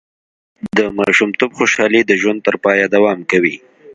د ماشومتوب خوشحالي د ژوند تر پایه دوام کوي.